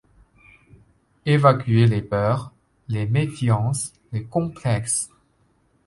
Évacuer les peurs, les méfiances, les complexes.